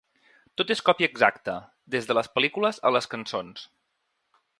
Tot és copia exacta, des de les pel·lícules a les cançons.